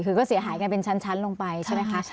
คือก็เสียหายกันเป็นชั้นลงไปใช่ไหมคะ